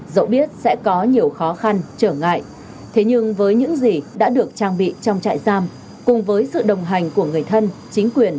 dẫu biết sẽ có nhiều khó khăn trở ngại thế nhưng với những gì đã được trang bị trong trại giam cùng với sự đồng hành của người thân chính quyền